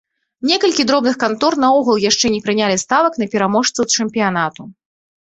Некалькі дробных кантор наогул яшчэ не прынялі ставак на пераможцаў чэмпіянату.